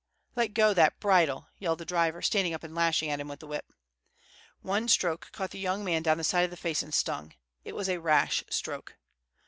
"Let go that bridle!" yelled the driver, standing up and lashing at him with the whip. One stroke caught the young man down the side of the face, and stung. It was a rash stroke.